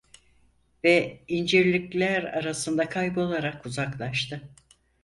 Ve incirlikler arasında kaybolarak uzaklaştı.